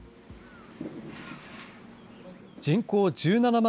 人口１７万